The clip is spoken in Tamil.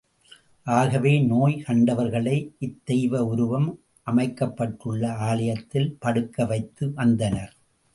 ஆகவே நோய் கண்டவர்களை இத்தெய்வ உருவம் அமைக்கப்பட்டுள்ள ஆலயத்தில் படுக்க வைத்து வந்தனர்.